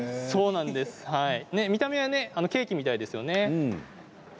見た目はケーキみたいですよね。